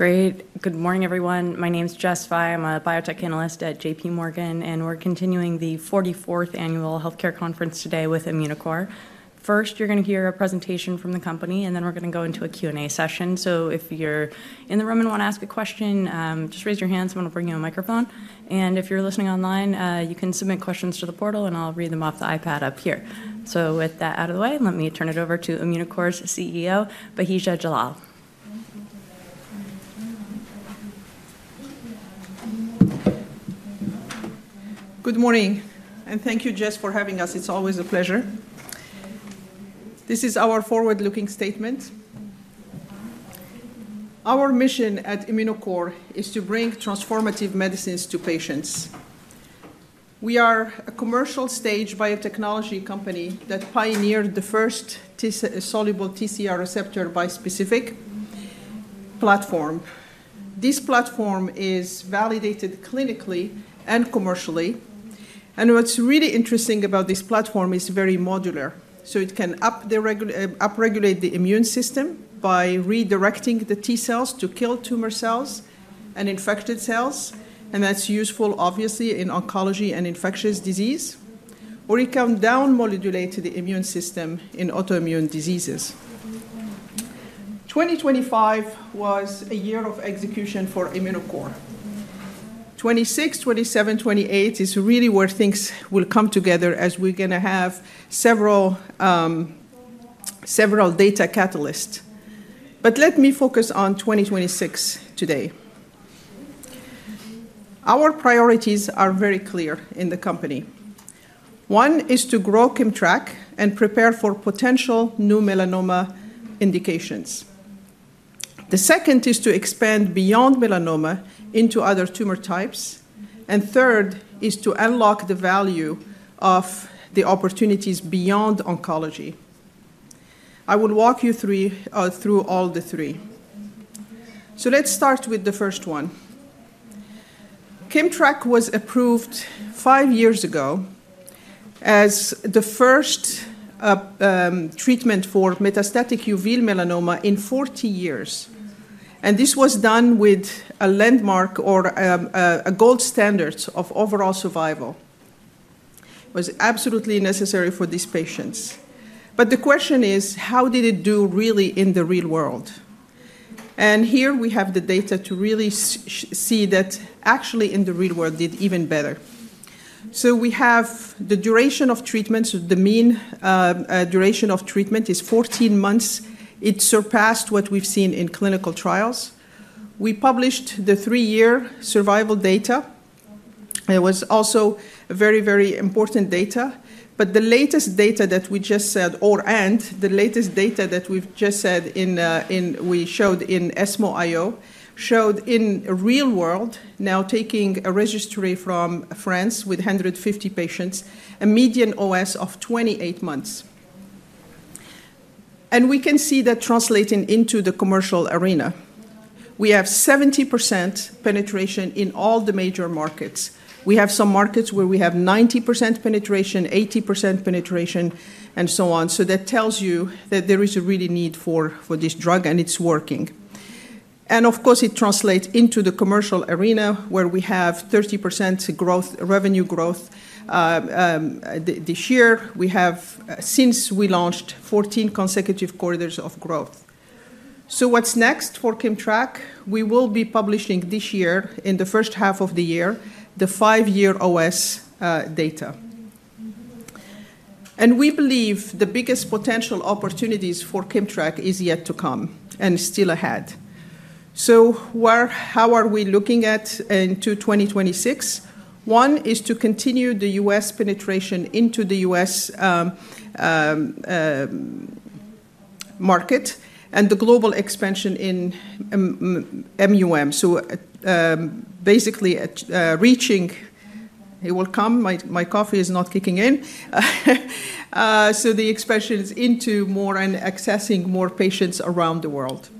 Great. Good morning, everyone. My name's Jess Fye. I'm a biotech analyst at JPMorgan, and we're continuing the 44th annual healthcare conference today with Immunocore. First, you're going to hear a presentation from the company, and then we're going to go into a Q&A session. So if you're in the room and want to ask a question, just raise your hand, someone will bring you a microphone. And if you're listening online, you can submit questions to the portal, and I'll read them off the iPad up here. So with that out of the way, let me turn it over to Immunocore's CEO, Bahija Jallal. Good morning, and thank you, Jess, for having us. It's always a pleasure. This is our forward-looking statement. Our mission at Immunocore is to bring transformative medicines to patients. We are a commercial-stage biotechnology company that pioneered the first soluble TCR bispecific platform. This platform is validated clinically and commercially. And what's really interesting about this platform is very modular. So it can upregulate the immune system by redirecting the T cells to kill tumor cells and infected cells. And that's useful, obviously, in oncology and infectious disease. Or it can down-modulate the immune system in autoimmune diseases. 2025 was a year of execution for Immunocore. 2026, 2027, 2028 is really where things will come together, as we're going to have several data catalysts. But let me focus on 2026 today. Our priorities are very clear in the company. One is to grow KIMMTRAK and prepare for potential new melanoma indications. The second is to expand beyond melanoma into other tumor types. And third is to unlock the value of the opportunities beyond oncology. I will walk you through all the three. So let's start with the first one. KIMMTRAK was approved five years ago as the first treatment for metastatic uveal melanoma in 40 years. And this was done with a landmark or a gold standard of overall survival. It was absolutely necessary for these patients. But the question is, how did it do really in the real world? And here we have the data to really see that, actually, in the real world, did even better. So we have the duration of treatment. So the mean duration of treatment is 14 months. It surpassed what we've seen in clinical trials. We published the three-year survival data. It was also very, very important data but the latest data that we've just said in ESMO I-O showed in real world, now taking a registry from France with 150 patients, a median OS of 28 months, and we can see that translating into the commercial arena. We have 70% penetration in all the major markets. We have some markets where we have 90% penetration, 80% penetration, and so on, so that tells you that there is a real need for this drug, and it's working, and of course, it translates into the commercial arena, where we have 30% revenue growth this year. We have, since we launched, 14 consecutive quarters of growth so what's next for KIMMTRAK? We will be publishing this year, in the first half of the year, the five-year OS data, and we believe the biggest potential opportunities for KIMMTRAK are yet to come and still ahead, so how are we looking ahead into 2026? One is to continue the US penetration into the US market and the global expansion in MUM. So basically reaching it will come. My coffee is not kicking in. So the expansion is into more and accessing more patients around the world.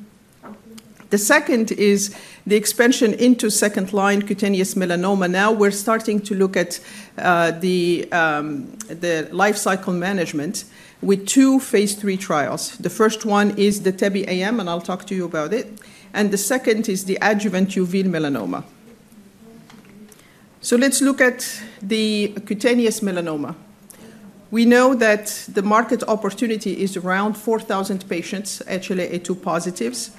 The second is the expansion into second-line cutaneous melanoma. Now we're starting to look at the life cycle management with two phase III trials. The first one is the TEBE-AM, and I'll talk to you about it, and the second is the adjuvant uveal melanoma, so let's look at the cutaneous melanoma. We know that the market opportunity is around 4,000 patients, HLA-A2 positives.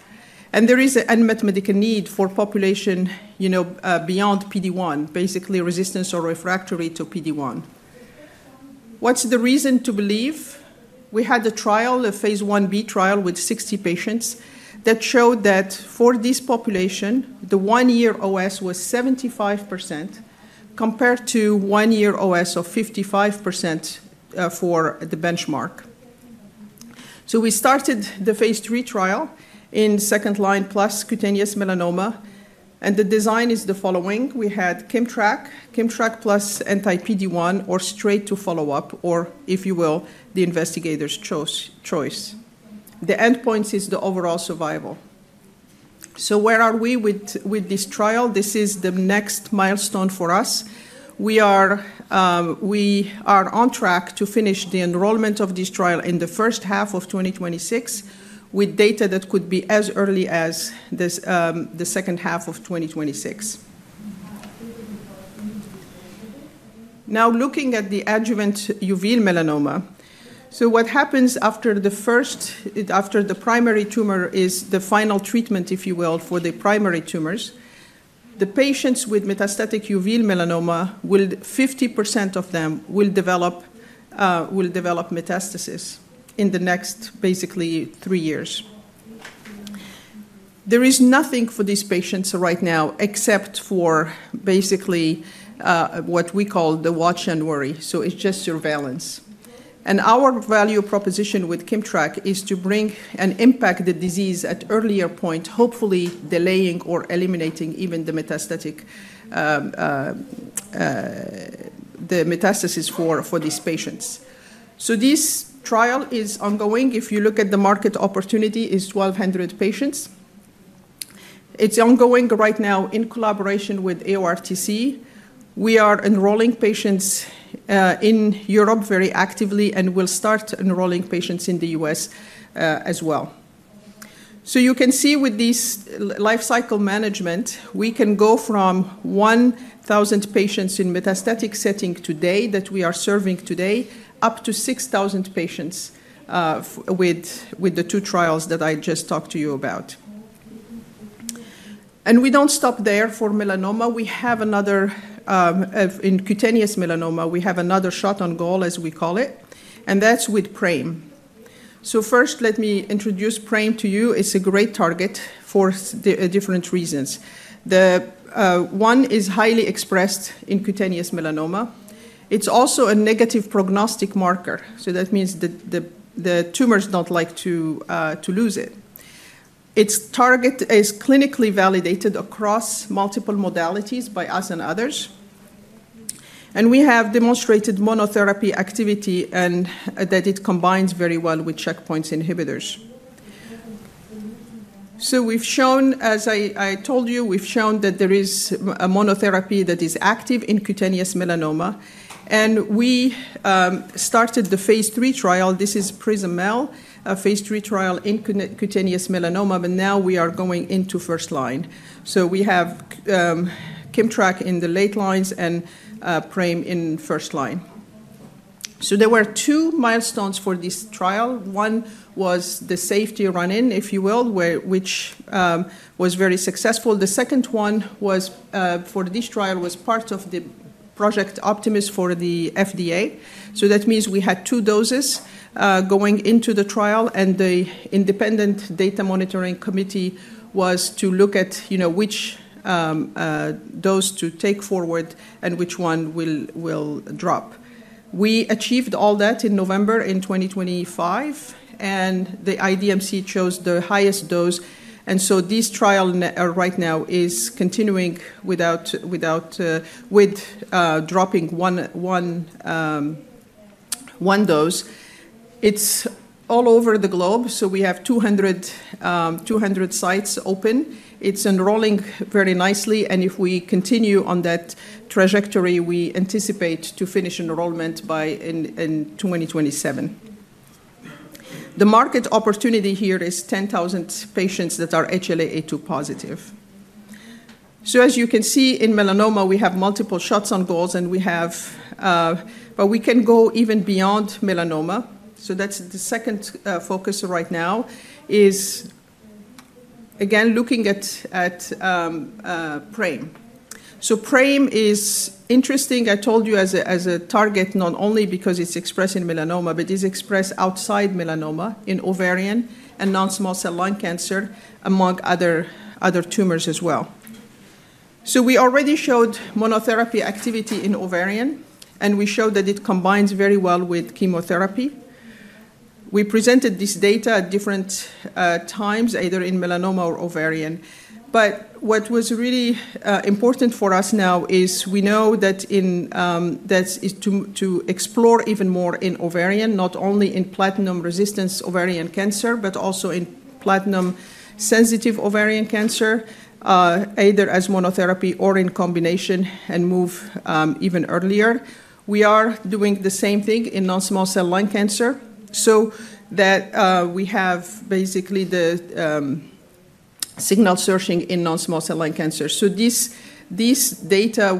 There is an unmet medical need for population beyond PD-1, basically resistance or refractory to PD-1. What's the reason to believe? We had a trial, a phase 1B trial with 60 patients that showed that for this population, the one-year OS was 75% compared to one-year OS of 55% for the benchmark. We started the phase 3 trial in second-line plus cutaneous melanoma. The design is the following. We had KIMMTRAK, KIMMTRAK plus anti-PD-1, or straight to follow-up, or if you will, the investigators' choice. The endpoint is the overall survival. Where are we with this trial? This is the next milestone for us. We are on track to finish the enrollment of this trial in the first half of 2026 with data that could be as early as the second half of 2026. Now looking at the adjuvant uveal melanoma, so what happens after the primary tumor is the final treatment, if you will, for the primary tumors. The patients with metastatic uveal melanoma, 50% of them will develop metastasis in the next, basically, three years. There is nothing for these patients right now except for basically what we call the watch and worry. So it's just surveillance, and our value proposition with KIMMTRAK is to bring and impact the disease at earlier point, hopefully delaying or eliminating even the metastasis for these patients. So this trial is ongoing. If you look at the market opportunity, it is 1,200 patients. It's ongoing right now in collaboration with EORTC. We are enrolling patients in Europe very actively and will start enrolling patients in the US as well. So you can see with this life cycle management, we can go from 1,000 patients in metastatic setting today that we are serving today up to 6,000 patients with the two trials that I just talked to you about. And we don't stop there for melanoma. We have another in cutaneous melanoma, we have another shot on goal, as we call it. And that's with PRAME. So first, let me introduce PRAME to you. It's a great target for different reasons. One is highly expressed in cutaneous melanoma. It's also a negative prognostic marker. So that means the tumor does not like to lose it. It's target is clinically validated across multiple modalities by us and others. And we have demonstrated monotherapy activity and that it combines very well with checkpoint inhibitors. So we've shown, as I told you, we've shown that there is a monotherapy that is active in cutaneous melanoma. And we started the phase III trial. This is PRISM-MEL, a phase III trial in cutaneous melanoma. But now we are going into first line. So we have KIMMTRAK in the late lines and PRAME in first line. So there were two milestones for this trial. One was the safety run-in, if you will, which was very successful. The second one for this trial was part of the Project Optimus for the FDA. So that means we had two doses going into the trial. And the independent data monitoring committee was to look at which dose to take forward and which one will drop. We achieved all that in November 2025. And the IDMC chose the highest dose. And so this trial right now is continuing with dropping one dose. It's all over the globe. So we have 200 sites open. It's enrolling very nicely. And if we continue on that trajectory, we anticipate to finish enrollment by 2027. The market opportunity here is 10,000 patients that are HLA-A2 positive. So as you can see, in melanoma, we have multiple shots on goals. And we can go even beyond melanoma. So that's the second focus right now, is again looking at PRAME. So PRAME is interesting. I told you, as a target, not only because it's expressed in melanoma, but it is expressed outside melanoma in ovarian and non-small cell lung cancer, among other tumors as well. So we already showed monotherapy activity in ovarian. And we showed that it combines very well with chemotherapy. We presented this data at different times, either in melanoma or ovarian. But what was really important for us now is we know that to explore even more in ovarian, not only in platinum-resistant ovarian cancer, but also in platinum-sensitive ovarian cancer, either as monotherapy or in combination and move even earlier. We are doing the same thing in non-small cell lung cancer so that we have basically the signal searching in non-small cell lung cancer. So this data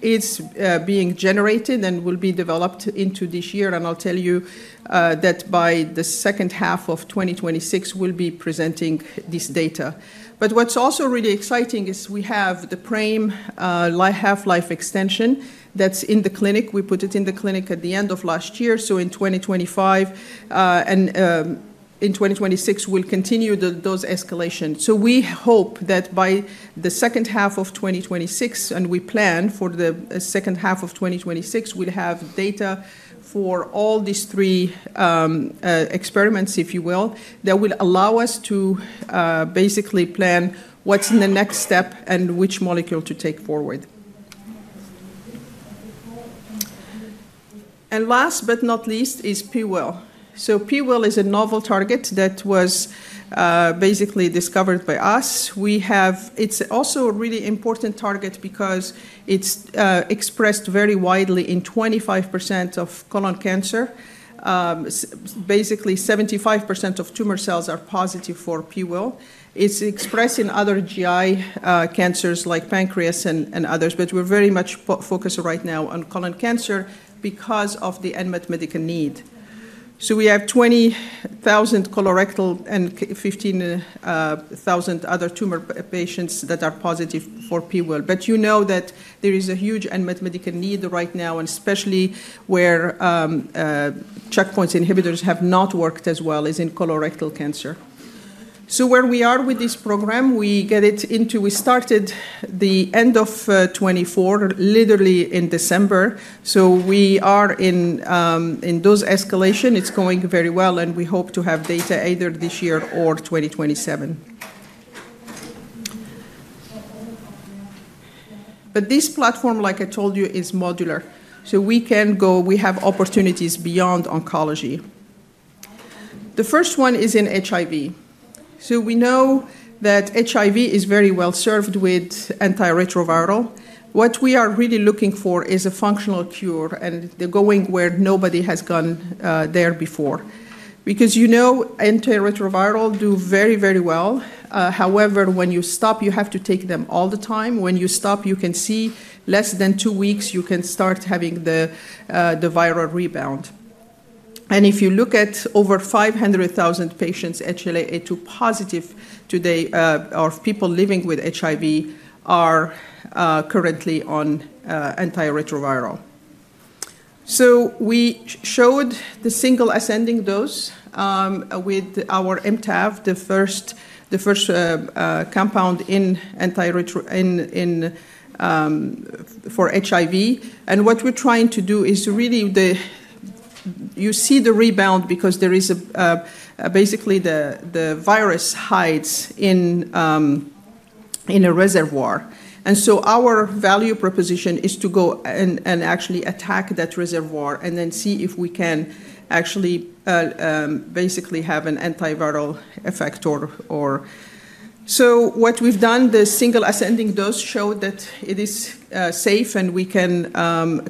is being generated and will be developed into this year. And I'll tell you that by the second half of 2026, we'll be presenting this data. But what's also really exciting is we have the PRAME half-life extension that's in the clinic. We put it in the clinic at the end of last year. So in 2025 and in 2026, we'll continue those escalations. So we hope that by the second half of 2026, and we plan for the second half of 2026, we'll have data for all these three experiments, if you will, that will allow us to basically plan what's in the next step and which molecule to take forward. And last but not least is PWIL. So PWIL is a novel target that was basically discovered by us. It's also a really important target because it's expressed very widely in 25% of colon cancer. Basically, 75% of tumor cells are positive for PWIL. It's expressed in other GI cancers like pancreas and others. But we're very much focused right now on colon cancer because of the unmet medical need. So we have 20,000 colorectal and 15,000 other tumor patients that are positive for PWIL. But you know that there is a huge unmet medical need right now, and especially where checkpoint inhibitors have not worked as well as in colorectal cancer. So where we are with this program, we get it into we started the end of 2024, literally in December. So we are in dose escalation. It's going very well. And we hope to have data either this year or 2027. But this platform, like I told you, is modular. So we have opportunities beyond oncology. The first one is in HIV. So we know that HIV is very well served with antiretroviral. What we are really looking for is a functional cure. And they're going where nobody has gone there before. Because you know antiretroviral do very, very well. However, when you stop, you have to take them all the time. When you stop, you can see less than two weeks. You can start having the viral rebound, and if you look at over 500,000 patients HLA-A2 positive today or people living with HIV are currently on antiretroviral. So we showed the single ascending dose with our MTAV, the first compound for HIV, and what we're trying to do is really you see the rebound because there is basically the virus hides in a reservoir. So our value proposition is to go and actually attack that reservoir and then see if we can actually basically have an antiviral effect or. So what we've done, the single ascending dose showed that it is safe, and we can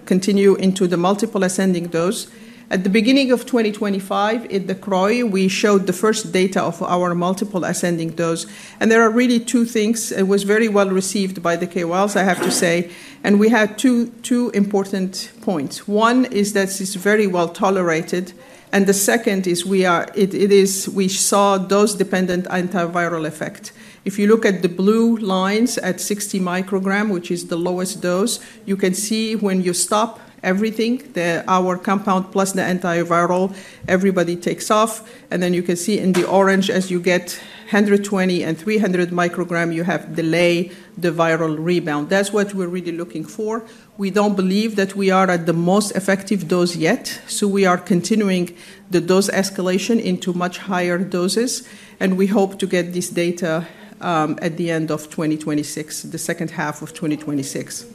continue into the multiple ascending dose. At the beginning of 2025, in the CROI, we showed the first data of our multiple ascending dose, and there are really two things. It was very well received by the KOLs, I have to say, and we had two important points. One is that it's very well tolerated, and the second is we saw dose-dependent antiviral effect. If you look at the blue lines at 60 micrograms, which is the lowest dose, you can see when you stop everything, our compound plus the antiviral, everybody takes off, and then you can see in the orange, as you get 120 and 300 micrograms, you have delay the viral rebound. That's what we're really looking for. We don't believe that we are at the most effective dose yet, so we are continuing the dose escalation into much higher doses, and we hope to get this data at the end of 2026, the second half of 2026.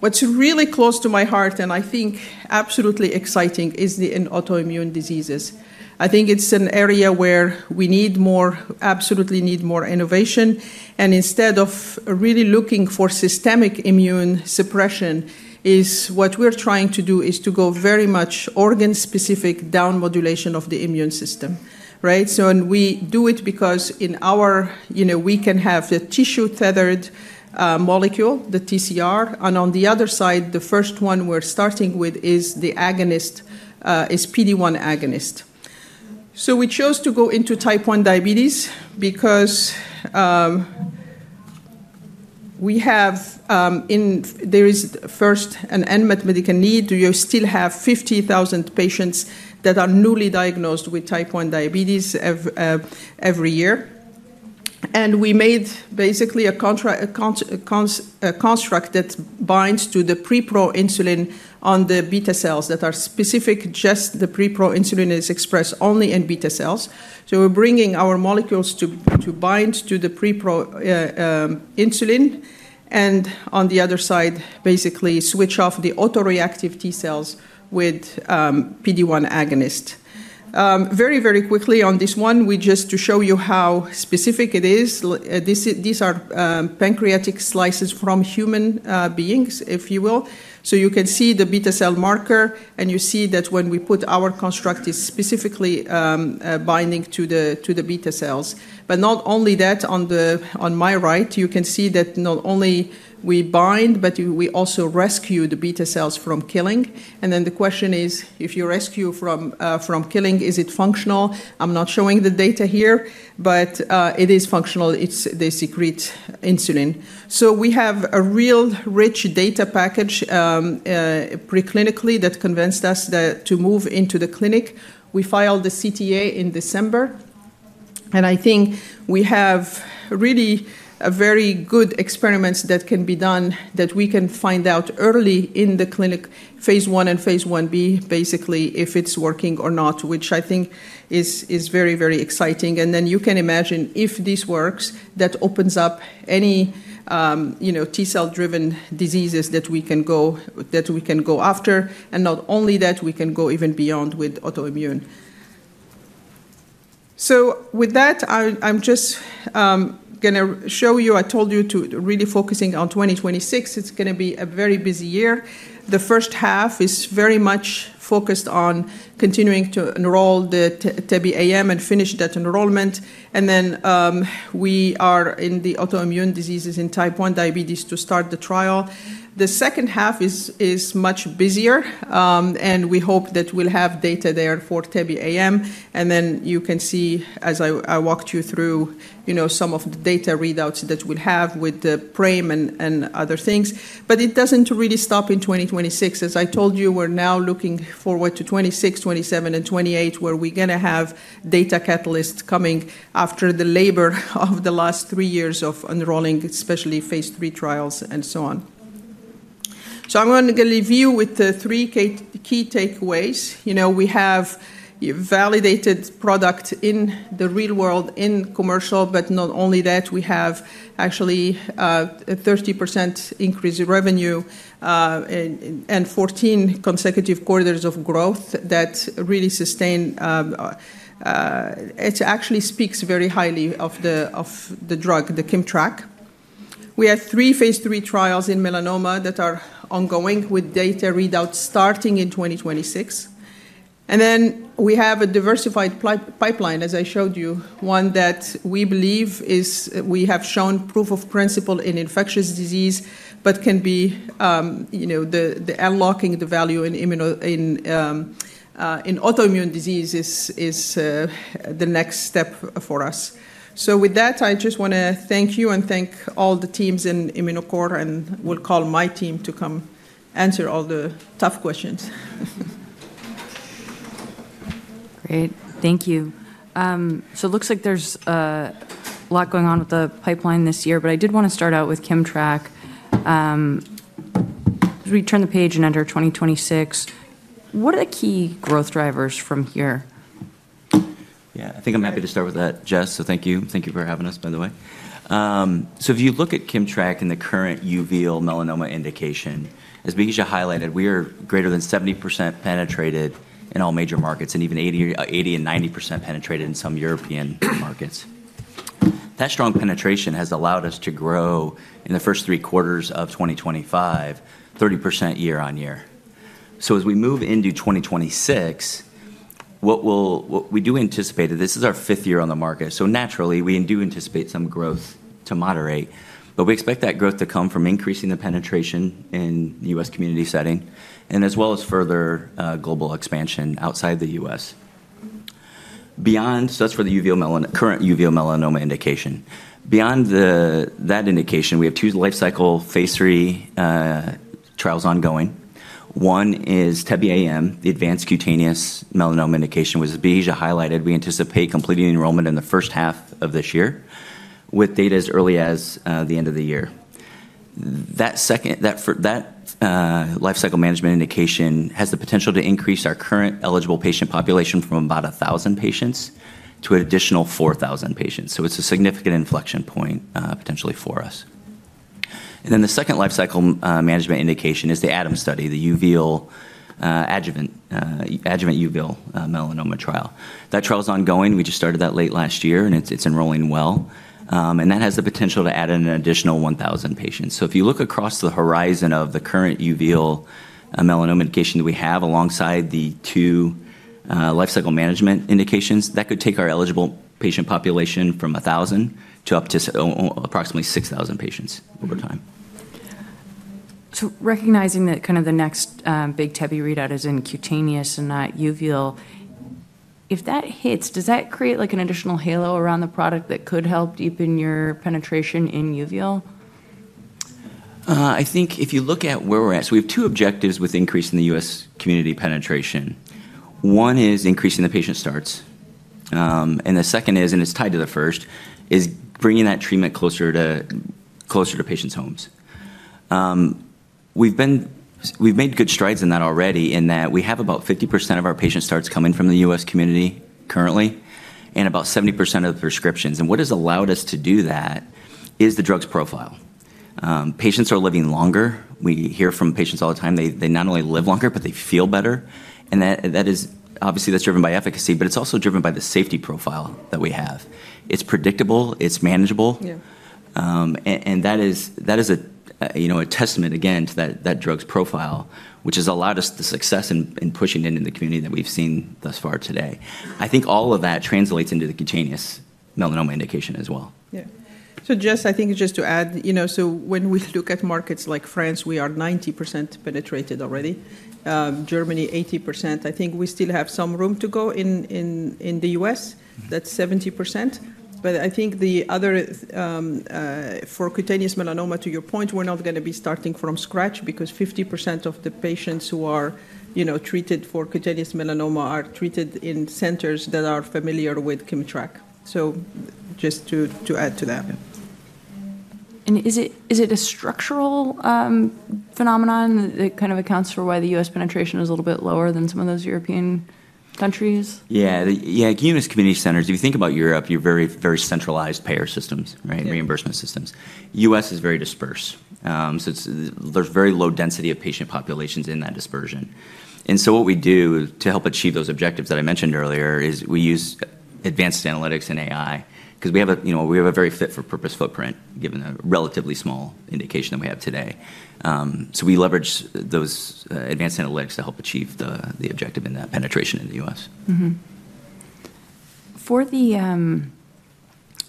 What's really close to my heart and I think absolutely exciting is in autoimmune diseases. I think it's an area where we absolutely need more innovation. And instead of really looking for systemic immune suppression, what we're trying to do is to go very much organ-specific down modulation of the immune system. Right? And we do it because in our, we can have the tissue-targeted molecule, the TCR. And on the other side, the first one we're starting with is the agonist, PD-1 agonist. So we chose to go into Type 1 diabetes because there is first an unmet medical need. You still have 50,000 patients that are newly diagnosed with Type 1 diabetes every year. And we made basically a construct that binds to the preproinsulin on the beta cells that are specific. Just the preproinsulin is expressed only in beta cells. So we're bringing our molecules to bind to the preproinsulin. And on the other side, basically switch off the autoreactive T cells with PD-1 agonist. Very, very quickly on this one, just to show you how specific it is. These are pancreatic slices from human beings, if you will. So you can see the beta cell marker. And you see that when we put our construct, it's specifically binding to the beta cells. But not only that, on my right, you can see that not only we bind, but we also rescue the beta cells from killing. And then the question is, if you rescue from killing, is it functional? I'm not showing the data here. But it is functional. It's the secrete insulin. So we have a real rich data package preclinically that convinced us to move into the clinic. We filed the CTA in December. And I think we have really very good experiments that can be done that we can find out early in the clinic, phase 1 and phase 1b, basically if it's working or not, which I think is very, very exciting. And then you can imagine if this works, that opens up any T cell-driven diseases that we can go after. And not only that, we can go even beyond with autoimmune. So with that, I'm just going to show you. I told you to really focus on 2026. It's going to be a very busy year. The first half is very much focused on continuing to enroll the TEBE-AM and finish that enrollment. And then we are in the autoimmune diseases in type 1 diabetes to start the trial. The second half is much busier. And we hope that we'll have data there for TEBE-AM. Then you can see, as I walked you through some of the data readouts that we'll have with the PRAME and other things. It doesn't really stop in 2026. As I told you, we're now looking forward to 2026, 2027, and 2028, where we're going to have data catalysts coming after the labor of the last three years of enrolling, especially phase three trials and so on. I'm going to leave you with three key takeaways. We have validated product in the real world, in commercial. Not only that, we have actually a 30% increase in revenue and 14 consecutive quarters of growth that really sustain. It actually speaks very highly of the drug, the KIMMTRAK. We have three phase three trials in melanoma that are ongoing with data readouts starting in 2026. And then we have a diversified pipeline, as I showed you, one that we believe we have shown proof of principle in infectious disease, but can be the unlocking the value in autoimmune disease is the next step for us. So with that, I just want to thank you and thank all the teams in Immunocore. And we'll call my team to come answer all the tough questions. Great. Thank you. So it looks like there's a lot going on with the pipeline this year. But I did want to start out with KIMMTRAK. We turn the page and enter 2026. What are the key growth drivers from here? Yeah. I think I'm happy to start with that, Jess. So thank you. Thank you for having us, by the way. So if you look at KIMMTRAK and the current uveal melanoma indication, as Bahija highlighted, we are greater than 70% penetrated in all major markets and even 80 and 90% penetrated in some European markets. That strong penetration has allowed us to grow in the first three quarters of 2025, 30% year on year. So as we move into 2026, what we do anticipate, and this is our fifth year on the market, so naturally, we do anticipate some growth to moderate. But we expect that growth to come from increasing the penetration in the US community setting and as well as further global expansion outside the US. So that's for the current uveal melanoma indication. Beyond that indication, we have two life cycle phase three trials ongoing. One is TEBE-AM, the advanced cutaneous melanoma indication, which Bahija highlighted. We anticipate completing enrollment in the first half of this year with data as early as the end of the year. That life cycle management indication has the potential to increase our current eligible patient population from about 1,000 patients to an additional 4,000 patients. So it's a significant inflection point potentially for us. Then the second life cycle management indication is the ADAM study, the adjuvant uveal melanoma trial. That trial is ongoing. We just started that late last year. It's enrolling well. That has the potential to add in an additional 1,000 patients. So if you look across the horizon of the current uveal melanoma indication that we have alongside the two life cycle management indications, that could take our eligible patient population from 1,000 to up to approximately 6,000 patients over time. Recognizing that kind of the next big tebe readout is in cutaneous and not uveal, if that hits, does that create an additional halo around the product that could help deepen your penetration in uveal? I think if you look at where we're at, so we have two objectives with increase in the US community penetration. One is increasing the patient starts, and the second is, and it's tied to the first, is bringing that treatment closer to patients' homes. We've made good strides in that already, in that we have about 50% of our patient starts coming from the US community currently and about 70% of the prescriptions, and what has allowed us to do that is the drug's profile. Patients are living longer. We hear from patients all the time. They not only live longer, but they feel better, and obviously, that's driven by efficacy, but it's also driven by the safety profile that we have. It's predictable. It's manageable. That is a testament, again, to that drug's profile, which has allowed us the success in pushing it into the community that we've seen thus far today. I think all of that translates into the cutaneous melanoma indication as well. Yeah. So, Jess, I think just to add, so when we look at markets like France, we are 90% penetrated already. Germany, 80%. I think we still have some room to go in the U.S. That's 70%. But I think the other for cutaneous melanoma, to your point, we're not going to be starting from scratch because 50% of the patients who are treated for cutaneous melanoma are treated in centers that are familiar with KIMMTRAK. So just to add to that. Is it a structural phenomenon that kind of accounts for why the U.S. penetration is a little bit lower than some of those European countries? Yeah. Yeah. Community centers, if you think about Europe, you're very, very centralized payer systems, right, reimbursement systems. U.S. is very dispersed. So there's very low density of patient populations in that dispersion. And so what we do to help achieve those objectives that I mentioned earlier is we use advanced analytics and AI because we have a very fit-for-purpose footprint given the relatively small indication that we have today. So we leverage those advanced analytics to help achieve the objective in that penetration in the U.S. For the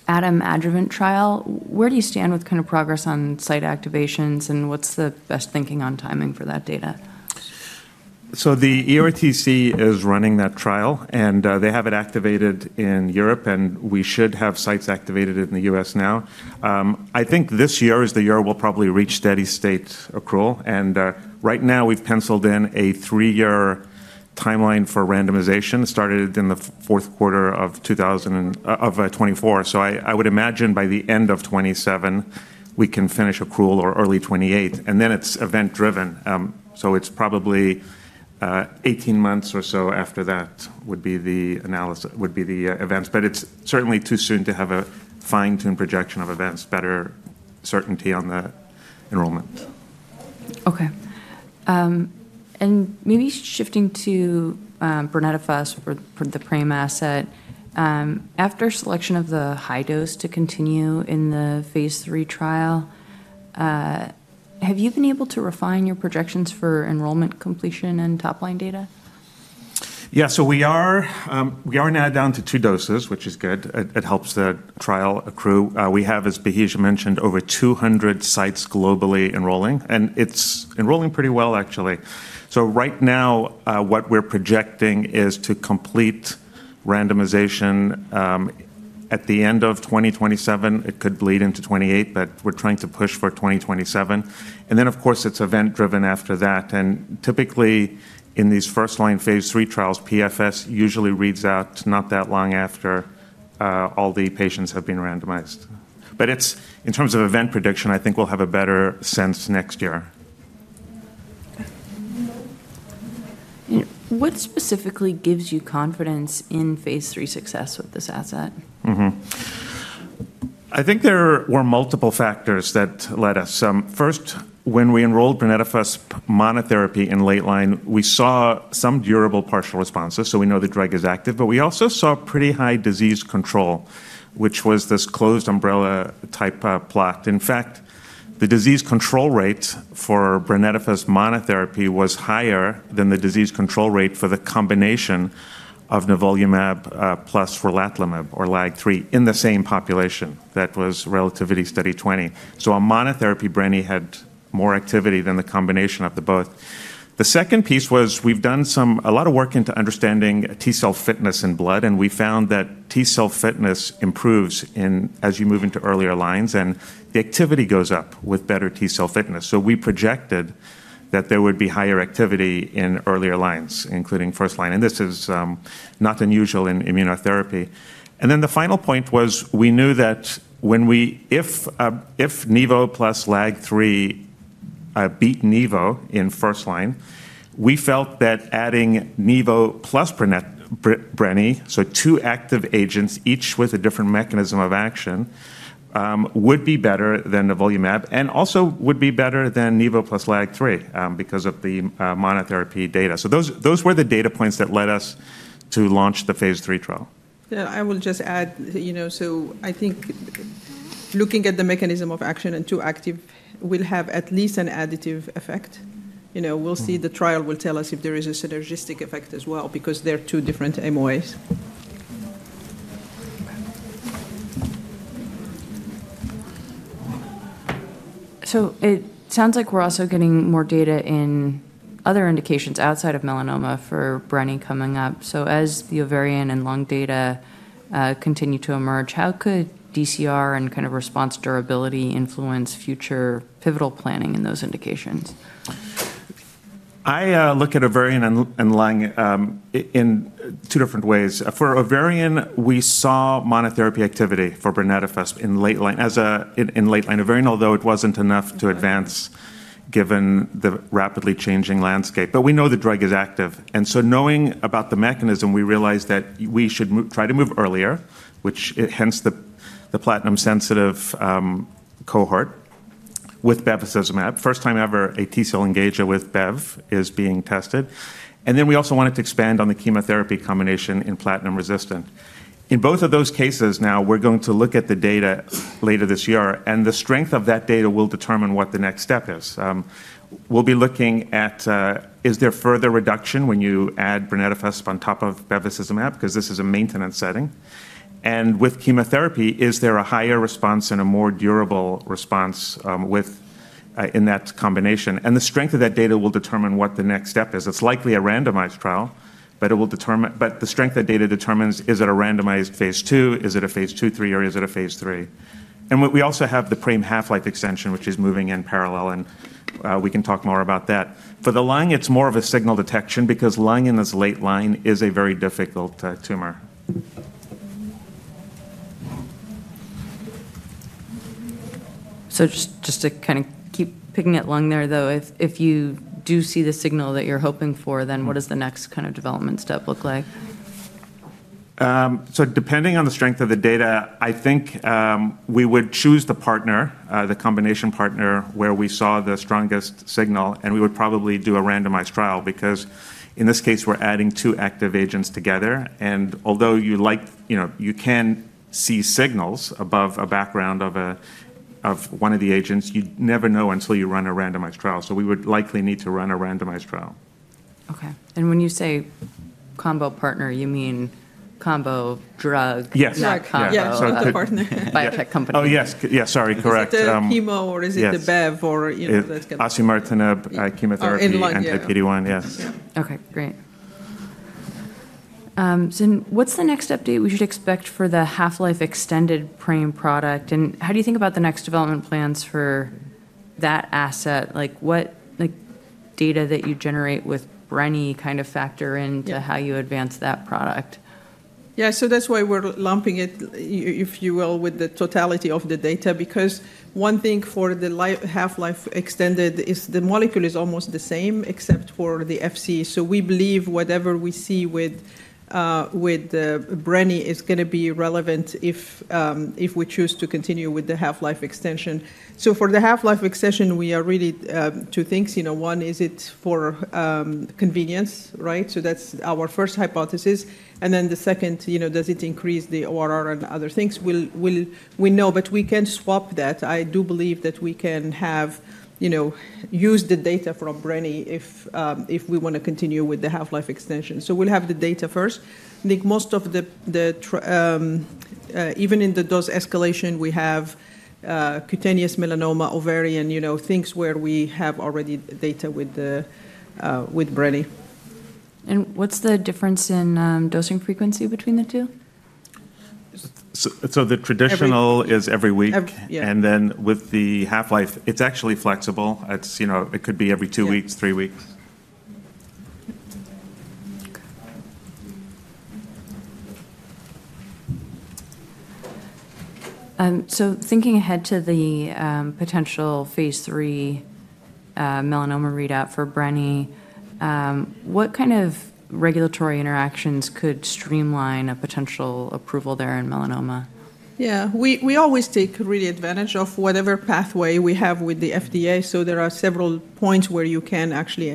ATOM adjuvant trial, where do you stand with kind of progress on site activations? And what's the best thinking on timing for that data? So the EORTC is running that trial. And they have it activated in Europe. And we should have sites activated in the U.S. now. I think this year is the year we'll probably reach steady state accrual. And right now, we've penciled in a three-year timeline for randomization started in the fourth quarter of 2024. So I would imagine by the end of 2027, we can finish accrual or early 2028. And then it's event-driven. So it's probably 18 months or so after that would be the events. But it's certainly too soon to have a fine-tuned projection of events, better certainty on the enrollment. OK. And maybe shifting to brenetafusp for the PRAME asset, after selection of the high dose to continue in the phase III trial, have you been able to refine your projections for enrollment completion and top-line data? Yeah. So we are now down to two doses, which is good. It helps the trial accrue. We have, as Bahija mentioned, over 200 sites globally enrolling, and it's enrolling pretty well, actually. So right now, what we're projecting is to complete randomization at the end of 2027. It could bleed into 2028, but we're trying to push for 2027, and then, of course, it's event-driven after that. Typically, in these first-line phase III trials, PFS usually reads out not that long after all the patients have been randomized, but in terms of event prediction, I think we'll have a better sense next year. What specifically gives you confidence in phase III success with this asset? I think there were multiple factors that led us. First, when we enrolled brenetafusp monotherapy in late line, we saw some durable partial responses. So we know the drug is active. But we also saw pretty high disease control, which was this closed umbrella type plot. In fact, the disease control rate for brenetafusp monotherapy was higher than the disease control rate for the combination of nivolumab plus relatlimab or LAG-3 in the same population. That was relatively steady 20. So on monotherapy, brenetafusp had more activity than the combination of the both. The second piece was we've done a lot of work into understanding T cell fitness in blood. And we found that T cell fitness improves as you move into earlier lines. And the activity goes up with better T cell fitness. We projected that there would be higher activity in earlier lines, including first line. And this is not unusual in immunotherapy. And then the final point was we knew that if nivo plus LAG-3 beat nivo in first line, we felt that adding nivo plus brenetafusp, so two active agents, each with a different mechanism of action, would be better than nivolumab and also would be better than nivo plus LAG-3 because of the monotherapy data. So those were the data points that led us to launch the phase III trial. I will just add, so I think looking at the mechanism of action and two actives will have at least an additive effect. We'll see, the trial will tell us if there is a synergistic effect as well because they're two different MOAs. It sounds like we're also getting more data in other indications outside of melanoma for brenetafusp coming up. As the ovarian and lung data continue to emerge, how could DCR and kind of response durability influence future pivotal planning in those indications? I look at ovarian and lung in two different ways. For ovarian, we saw monotherapy activity for brenetafusp in late line. In late-line ovarian, although it wasn't enough to advance given the rapidly changing landscape, but we know the drug is active, and so knowing about the mechanism, we realized that we should try to move earlier, which hence the platinum-sensitive cohort with bevacizumab. First time ever a T cell engager with beva is being tested, and then we also wanted to expand on the chemotherapy combination in platinum-resistant. In both of those cases now, we're going to look at the data later this year, and the strength of that data will determine what the next step is. We'll be looking at is there further reduction when you add brenetafusp on top of bevacizumab because this is a maintenance setting. With chemotherapy, is there a higher response and a more durable response in that combination? The strength of that data will determine what the next step is. It's likely a randomized trial. The strength of data determines, is it a randomized phase II? Is it a phase II, three, or is it a phase III? We also have the PRAME half-life extension, which is moving in parallel. We can talk more about that. For the lung, it's more of a signal detection because lung in this late line is a very difficult tumor. Just to kind of keep picking at lung there, though, if you do see the signal that you're hoping for, then what does the next kind of development step look like? So depending on the strength of the data, I think we would choose the partner, the combination partner where we saw the strongest signal. And we would probably do a randomized trial because in this case, we're adding two active agents together. And although you can see signals above a background of one of the agents, you never know until you run a randomized trial. So we would likely need to run a randomized trial. OK. And when you say combo partner, you mean combo drug? Yes. Not combo partner. Biotech company. Oh, yes. Yeah. Sorry. Correct. Is it the chemo or is it the beva, or that's good? Osimertinib, chemotherapy, anti-PD-1, yes. OK. Great. So what's the next update we should expect for the half-life extended PRAME product? And how do you think about the next development plans for that asset? What data that you generate with brenetafusp kind of factor into how you advance that product? Yeah. So that's why we're lumping it, if you will, with the totality of the data because one thing for the half-life extended is the molecule is almost the same except for the FC. So we believe whatever we see with brenetafusp is going to be relevant if we choose to continue with the half-life extension. So for the half-life extension, we are really two things. One, is it for convenience? Right? So that's our first hypothesis. And then the second, does it increase the ORR and other things? We know. But we can swap that. I do believe that we can use the data from brenetafusp if we want to continue with the half-life extension. So we'll have the data first. I think most of the, even in the dose escalation, we have cutaneous melanoma, ovarian, things where we have already data with brenetafusp. What's the difference in dosing frequency between the two? The traditional is every week. With the half-life, it's actually flexible. It could be every two weeks, three weeks. Thinking ahead to the potential phase III melanoma readout for brenetafusp, what kind of regulatory interactions could streamline a potential approval there in melanoma? Yeah. We always take really advantage of whatever pathway we have with the FDA. So there are several points where you can actually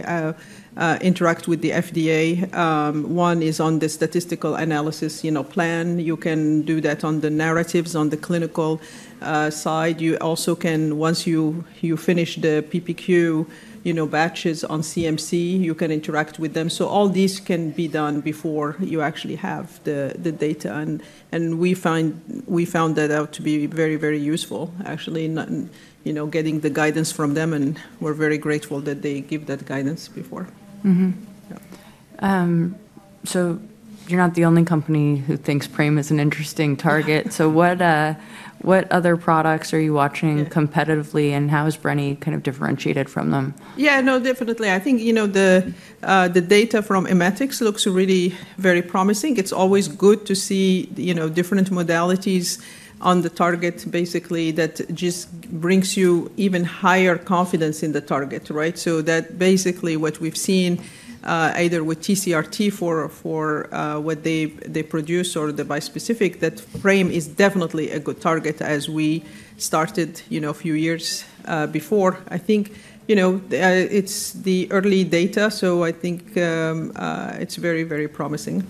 interact with the FDA. One is on the statistical analysis plan. You can do that on the narratives, on the clinical side. You also can, once you finish the PPQ batches on CMC, you can interact with them. So all these can be done before you actually have the data. And we found that out to be very, very useful, actually, getting the guidance from them. And we're very grateful that they give that guidance before. So you're not the only company who thinks PRAME is an interesting target. So what other products are you watching competitively? And how is brenetafusp kind of differentiated from them? Yeah. No, definitely. I think the data from Immatics looks really very promising. It's always good to see different modalities on the target, basically, that just brings you even higher confidence in the target, right? So that basically what we've seen either with TCR-T for what they produce or the bispecific, that PRAME is definitely a good target as we started a few years before. I think it's the early data. So I think it's very, very promising.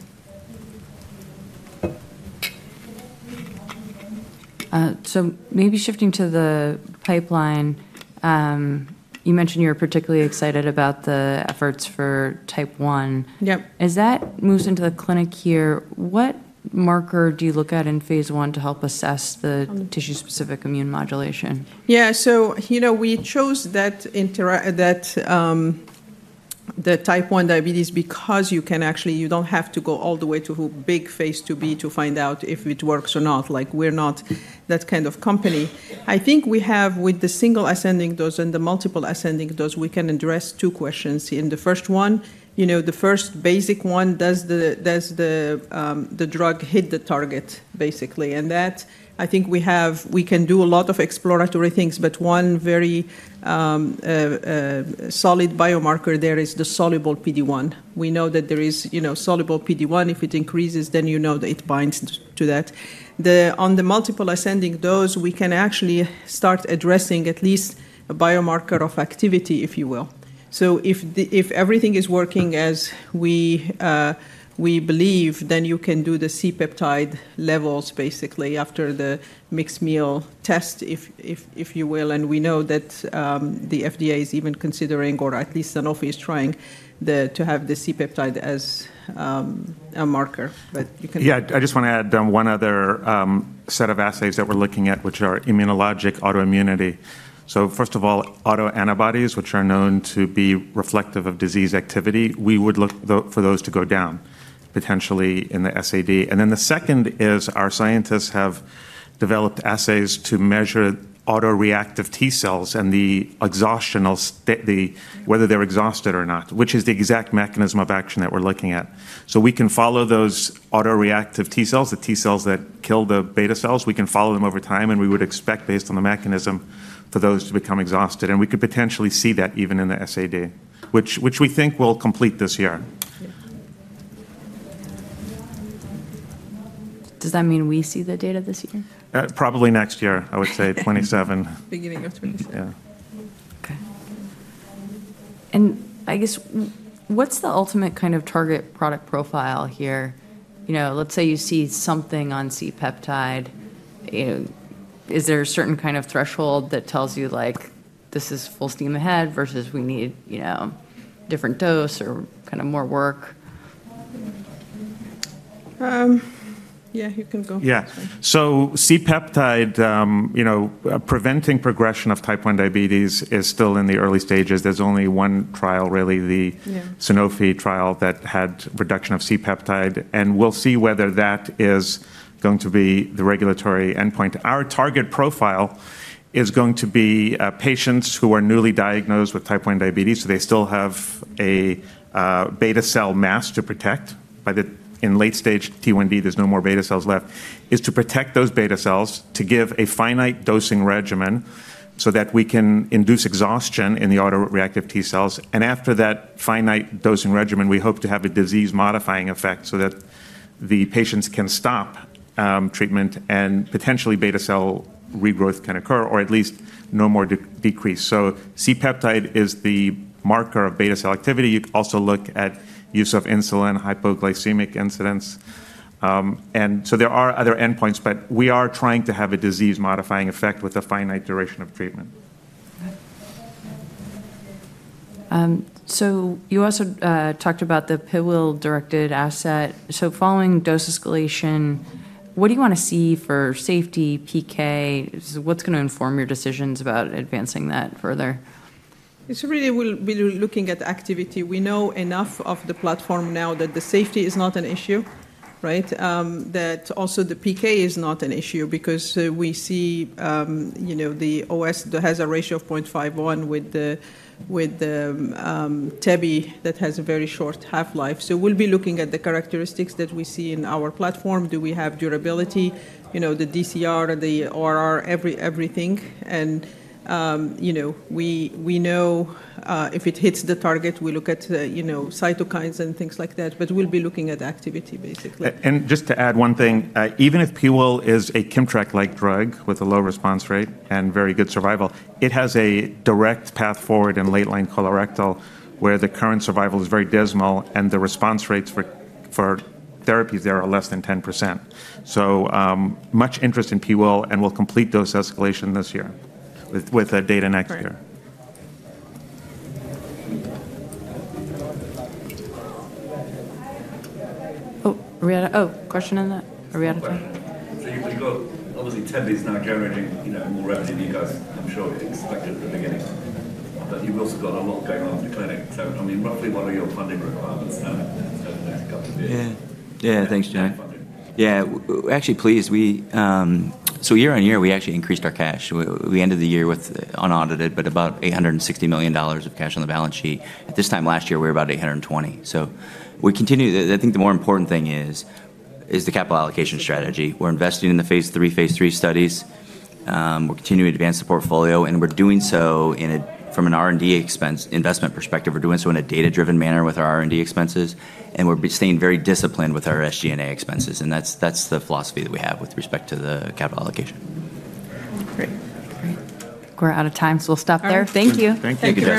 So maybe shifting to the pipeline, you mentioned you're particularly excited about the efforts for Type 1. Yeah. As that moves into the clinic here, what marker do you look at in phase I to help assess the tissue-specific immune modulation? Yeah. So we chose that Type 1 diabetes because you don't have to go all the way to a big phase IIb to find out if it works or not. We're not that kind of company. I think we have, with the single ascending dose and the multiple ascending dose, we can address two questions. In the first one, the first basic one, does the drug hit the target, basically? And that, I think we can do a lot of exploratory things. But one very solid biomarker there is the soluble PD-1. We know that there is soluble PD-1. If it increases, then you know that it binds to that. On the multiple ascending dose, we can actually start addressing at least a biomarker of activity, if you will. So if everything is working as we believe, then you can do the C-peptide levels, basically, after the mixed meal test, if you will. And we know that the FDA is even considering, or at least Sanofi is trying to have the C-peptide as a marker. But you can. Yeah. I just want to add one other set of assays that we're looking at, which are immunologic autoimmunity. So first of all, autoantibodies, which are known to be reflective of disease activity, we would look for those to go down potentially in the SAD. And then the second is our scientists have developed assays to measure autoreactive T cells and whether they're exhausted or not, which is the exact mechanism of action that we're looking at. So we can follow those autoreactive T cells, the T cells that kill the beta cells. We can follow them over time. And we would expect, based on the mechanism, for those to become exhausted. And we could potentially see that even in the SAD, which we think will complete this year. Does that mean we see the data this year? Probably next year, I would say, 2027. Beginning of 2027. Yeah. OK, and I guess what's the ultimate kind of target product profile here? Let's say you see something on C-peptide. Is there a certain kind of threshold that tells you this is full steam ahead versus we need a different dose or kind of more work? Yeah. You can go. Yeah. So C-peptide, preventing progression of Type 1 diabetes, is still in the early stages. There's only one trial, really, the Sanofi trial that had reduction of C-peptide. And we'll see whether that is going to be the regulatory endpoint. Our target profile is going to be patients who are newly diagnosed with Type 1 diabetes. So they still have a beta cell mass to protect. In late stage T1D, there's no more beta cells left. It's to protect those beta cells to give a finite dosing regimen so that we can induce exhaustion in the autoreactive T cells. And after that finite dosing regimen, we hope to have a disease-modifying effect so that the patients can stop treatment and potentially beta cell regrowth can occur or at least no more decrease. So C-peptide is the marker of beta cell activity. You can also look at use of insulin, hypoglycemic incidence, and so there are other endpoints, but we are trying to have a disease-modifying effect with a finite duration of treatment. You also talked about the PIWIL-directed asset. Following dose escalation, what do you want to see for safety, PK? What's going to inform your decisions about advancing that further? It's really we'll be looking at activity. We know enough of the platform now that the safety is not an issue, right? That also the PK is not an issue because we see the OS that has a ratio of 0.51 with the Tebi that has a very short half-life. So we'll be looking at the characteristics that we see in our platform. Do we have durability, the DCR, the ORR, everything? And we know if it hits the target, we look at cytokines and things like that. But we'll be looking at activity, basically. Just to add one thing, even if PIWIL1 is a KIMMTRAK-like drug with a low response rate and very good survival, it has a direct path forward in late-line colorectal where the current survival is very dismal. The response rates for therapies there are less than 10%. Much interest in PIWIL1. We'll complete dose escalation this year with data next year. Oh, question on that? Are we out of time? You've got obviously KIMMTRAK's now generating more revenue than you guys, I'm sure, expected at the beginning. You've also got a lot going on in the clinic. I mean, roughly what are your funding requirements now for the next couple of years? Yeah. Yeah. Thanks. Yeah. Actually, please. So year-on-year, we actually increased our cash. We ended the year with unaudited, but about $860 million of cash on the balance sheet. At this time last year, we were about $820 million. So I think the more important thing is the capital allocation strategy. We're investing in the phase III, phase III studies. We're continuing to advance the portfolio. And we're doing so from an R&D investment perspective. We're doing so in a data-driven manner with our R&D expenses. And we're staying very disciplined with our SG&A expenses. And that's the philosophy that we have with respect to the capital allocation. Great. Great. We're out of time. So we'll stop there. Thank you. Thank you.